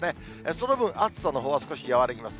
その分、暑さのほうは少し和らぎます。